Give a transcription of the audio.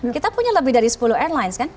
kita punya lebih dari sepuluh airlines kan